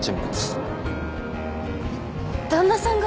えっ旦那さんが？